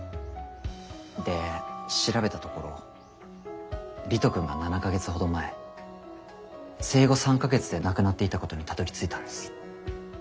で調べたところ理人くんが７か月ほど前生後３か月で亡くなっていたことにたどりついたんです。